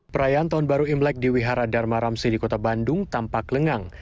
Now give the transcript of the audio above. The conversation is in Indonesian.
perayaan tahun baru imlek di wihara dharma ramsi di kota bandung tampak lengang